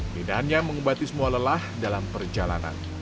keindahannya mengembati semua lelah dalam perjalanan